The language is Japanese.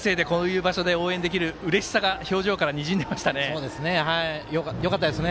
１年生で、こういう場所で応援できるうれしさが表情からにじんでいましたね。